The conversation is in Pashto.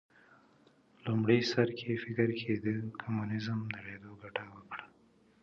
لومړي سر کې فکر کېده کمونیزم نړېدو ګټه وکړي